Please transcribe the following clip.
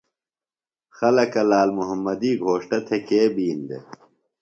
خلکہ لال محمدی گھوݜٹہ تھےۡ کے بِین دےۡ؟